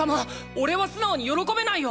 おれは素直に喜べないよ！！